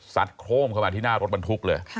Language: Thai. โครมเข้ามาที่หน้ารถบรรทุกเลย